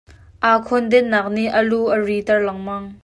Aa khawnden nak nih a lu a ri ter lengmang.